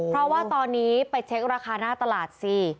เพราะว่าตอนนี้ไปเช็คราคาหน้าตลาดสิ